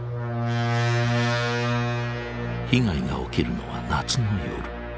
被害が起きるのは夏の夜。